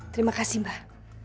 terima kasih mbak